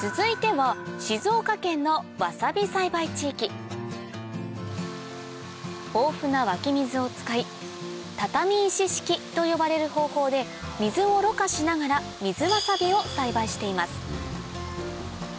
続いては豊富な湧き水を使い畳石式と呼ばれる方法で水をろ過しながら水わさびを栽培しています